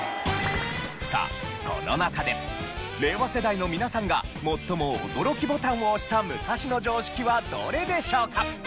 さあこの中で令和世代の皆さんが最も驚きボタンを押した昔の常識はどれでしょうか？